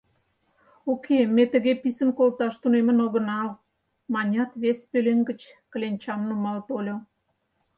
Уке, ме тыге писын колташ тунемын огынал, — манят, вес пӧлем гыч кленчам нумал тольо.